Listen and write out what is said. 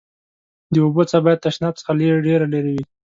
د اوبو څاه باید تشناب څخه ډېر لېري وي.